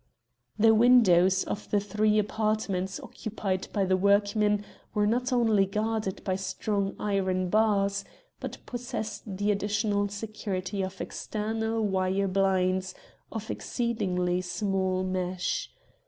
The windows of the three apartments occupied by the workmen were not only guarded by strong iron bars, but possessed the additional security of external wire blinds of exceedingly small mesh.